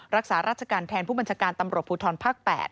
รักษาราชการแทนผู้บัญชาการตำรวจภูทรภาค๘